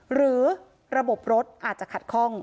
หรือระบบรถอาจจะขัดข้อง